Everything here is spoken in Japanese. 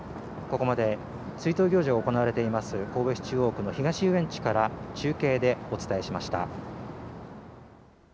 ここまで、追悼行事が行われています神戸市中央区の東遊園地から中継でお伝えしました。